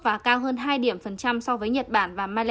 và cao hơn hai điểm phần trăm so với nhật bản và malaysia